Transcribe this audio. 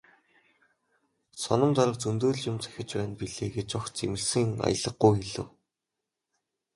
"Соном дарга зөндөө л юм захиж байна билээ" гэж огт зэмлэсэн аялгагүй хэлэв.